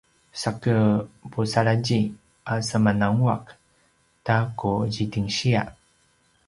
sake pusaladji a semananguaq ta ku zidingsiya